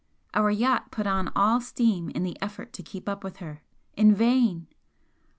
Our yacht put on all steam in the effort to keep up with her, in vain!